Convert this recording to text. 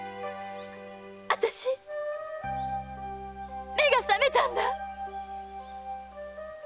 あたし目が覚めたんだ。